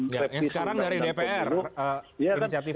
yang sekarang dari dpr inisiatifnya